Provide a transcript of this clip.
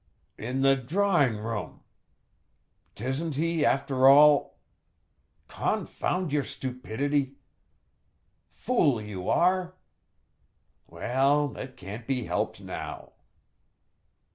"In the drawing room ... 'tisn't he, after all ... confound your stupidity! ... fool you are.... Well, it can't be helped now